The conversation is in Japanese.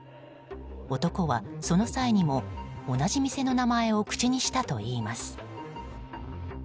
男はその際にも、同じ店の名前を口にしたといいます。